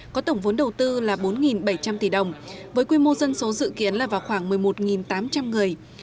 có tổng vốn đầu tư là bốn bảy trăm linh tỷ đồng với quy mô dân số dự kiến là vào khoảng một mươi một tám trăm linh người